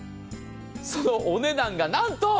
そのお値段が何と。